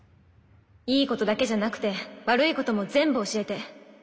いいことだけじゃなくて悪いことも全部教えて。